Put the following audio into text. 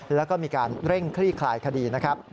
และก็มีการเร่งคลี่คลายคดี